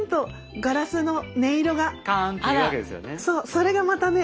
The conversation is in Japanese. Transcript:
それがまたね